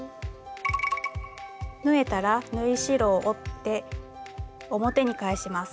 縫えたら縫い代を折って表に返します。